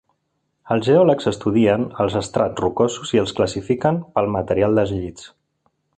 Els geòlegs estudien els estrats rocosos i els classifiquen pel material dels llits.